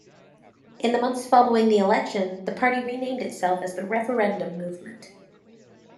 In the months following the election, the party renamed itself as the Referendum Movement.